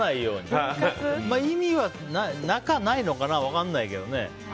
意味はなくはないのかな分かんないけどね。